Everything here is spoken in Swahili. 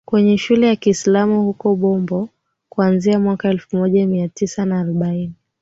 kwenye shule ya Kiislamu huko Bombo kuanzia mwaka elfu moja Mia Tisa na arobaini